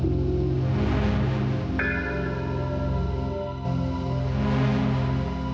agar tidak dengan viral